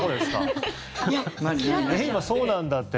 そうなんだ